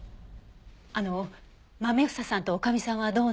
あのまめ房さんと女将さんはどうなるんでしょうか？